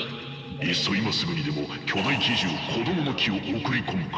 いっそ今すぐにでも巨大奇獣「こどもの樹」を送り込むか。